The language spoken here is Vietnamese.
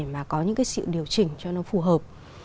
và điều chỉnh cho nó phù hợp